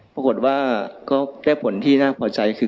ปรากฏว่าก็ได้ผลที่น่าพอใจคือ